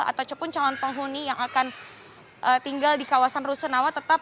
ataupun calon penghuni yang akan tinggal di kawasan rusun awa tetap